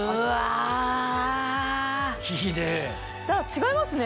違いますね